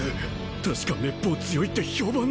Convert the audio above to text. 確かめっぽう強いって評判の。